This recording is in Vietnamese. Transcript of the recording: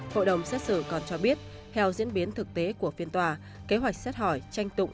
hội đồng xét xử còn cho biết theo diễn biến thực tế của phiên tòa kế hoạch xét hỏi tranh tụng